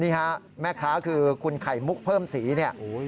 นี่ครับแม่ข้าคือคุณไข่มุกเพิ่มสีนี่